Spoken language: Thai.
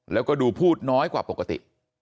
แล้วก็ดูพูดน้อยกว่าปกติ